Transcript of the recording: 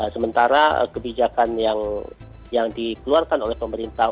sementara kebijakan yang dikeluarkan oleh pemerintah